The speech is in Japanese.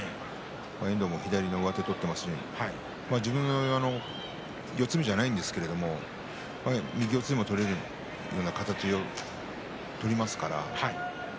遠藤も左の上手を取っていますし得意の四つ身じゃないんですけれど右四つでも取れるような形を取りますからね。